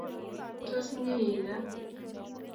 Tos, inyee Ii gaa?